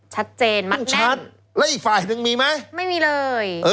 ชัดเจนมั่นใจชัดแล้วอีกฝ่ายหนึ่งมีไหมไม่มีเลย